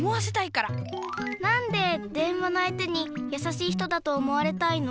なんで電話の相手にやさしい人だと思われたいの？